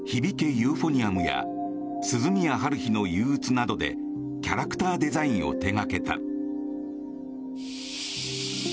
ユーフォニアム」や「涼宮ハルヒの憂鬱」などでキャラクターデザインを手掛けた。